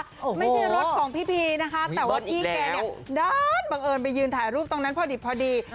ไม่ใช่รถของพี่พีนะคะแต่ว่าพี่แกเนี่ยด้านบังเอิญไปยืนถ่ายรูปตรงนั้นพอดี